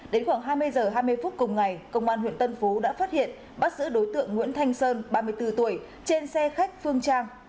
đến khoảng hai mươi h hai mươi phút cùng ngày công an huyện tân phú đã phát hiện bắt giữ đối tượng nguyễn thanh sơn ba mươi bốn tuổi trên xe khách phương trang